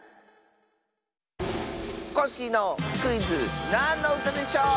コッシーのクイズ「なんのうたでしょう」！